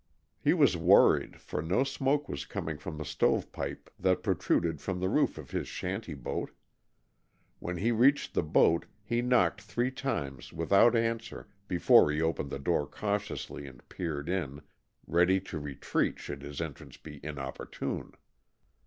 He was worried, for no smoke was coming from the stovepipe that protruded from the roof of his shanty boat. When he reached the boat he knocked three times without answer before he opened the door cautiously and peered in, ready to retreat should his entrance be inopportune.